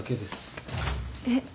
えっ。